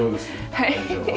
はい。